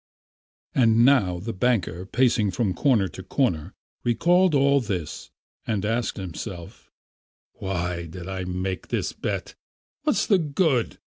And now the banker, pacing from corner to corner, recalled all this and asked himself: "Why did I make this bet? What's the good?